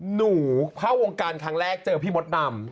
หนูเข้าวงการครั้งแรกเจอพี่มดดำ